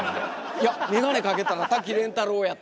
いや眼鏡かけたら瀧廉太郎やって師匠。